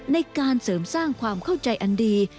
ในการเสริมสร้างความเข้าใจอันดี